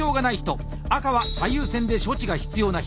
赤は最優先で処置が必要な人。